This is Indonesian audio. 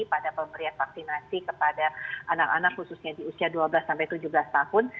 pada pemberian vaksinasi kepada anak anak khususnya di usia dua belas tujuh belas tahun